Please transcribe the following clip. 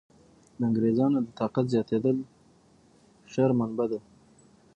د انګرېزانو د طاقت زیاتېدل شر منبع ده.